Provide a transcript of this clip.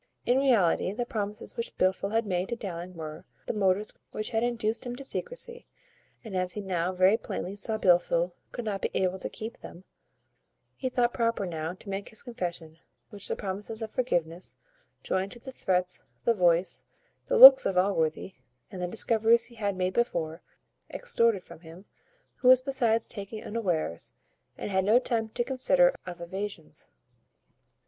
In reality, the promises which Blifil had made to Dowling were the motives which had induced him to secrecy; and, as he now very plainly saw Blifil would not be able to keep them, he thought proper now to make this confession, which the promises of forgiveness, joined to the threats, the voice, the looks of Allworthy, and the discoveries he had made before, extorted from him, who was besides taken unawares, and had no time to consider of evasions.